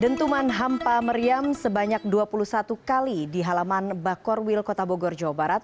dentuman hampa meriam sebanyak dua puluh satu kali di halaman bakorwil kota bogor jawa barat